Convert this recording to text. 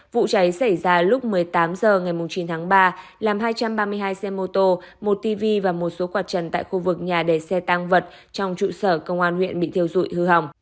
vụ cháy xảy ra lúc một mươi tám h ngày chín tháng ba làm hai trăm ba mươi hai xe mô tô một tv và một số quạt trần tại khu vực nhà đề xe tăng vật trong trụ sở công an huyện bị thiêu dụi hư hỏng